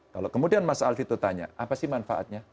kalau kemudian mas alfie itu tanya apa sih manfaatnya